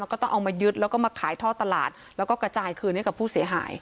ก็ต้องเอามายึดแล้วก็มาขายท่อตลาดแล้วก็กระจายคืนให้กับผู้เสียหาย